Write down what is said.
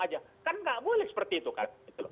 aja kan nggak boleh seperti itu kan